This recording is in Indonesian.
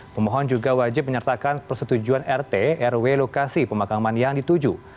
pemohon juga wajib menyertakan persetujuan rt rw lokasi pemakaman yang dituju